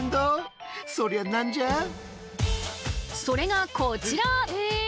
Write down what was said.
それがこちら！